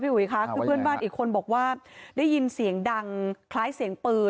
นี่ครั้งแรกก็ขนาดนี้เลย